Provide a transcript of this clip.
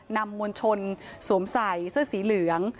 มวลชนสวมใส่เสื้อสีเหลือง